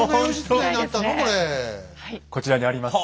こちらにあります。